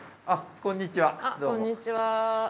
あっこんにちは。